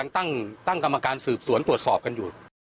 ตั้งกรรมการสืบสวนตรวจสอบกันอยู่